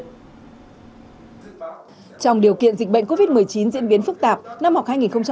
trong điều kiện dịch bệnh covid một mươi chín diễn biến phức tạp năm học hai nghìn hai mươi hai nghìn hai mươi